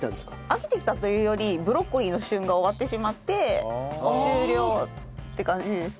飽きてきたというよりブロッコリーの旬が終わってしまって終了っていう感じです。